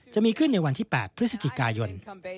จะมีขึ้นในวันที่๘พฤศจิกายน